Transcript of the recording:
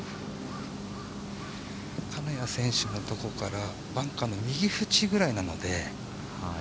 金谷選手のとこからバンカーの右縁ぐらいなので。